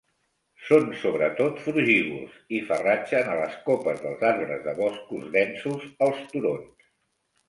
Són sobretot frugívors i farratgen a les copes dels arbres de boscos densos als turons.